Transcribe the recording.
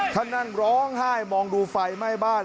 ท่านนั่งร้องไห้มองดูไฟไหม้บ้าน